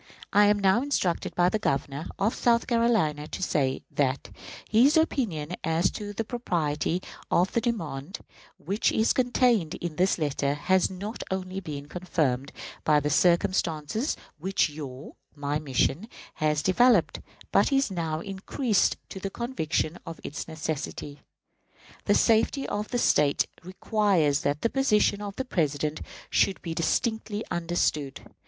I am now instructed by the Governor of South Carolina to say that "his opinion as to the propriety of the demand which is contained in this letter has not only been confirmed by the circumstances which your (my) mission has developed, but is now increased to a conviction of its necessity. The safety of the State requires that the position of the President should be distinctly understood.